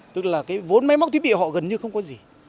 tức là cái vốn máy móc thiết bị họ gần như không có gì